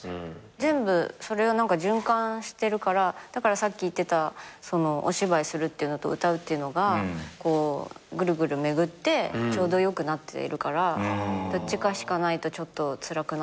全部それが循環してるからだからさっき言ってたお芝居するっていうのと歌うっていうのがぐるぐる巡ってちょうどよくなっているからどっちかしかないとちょっとつらくなるなみたいになって。